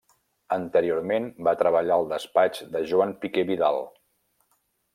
Anteriorment va treballar al despatx de Joan Piqué Vidal.